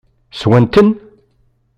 Swan-ten?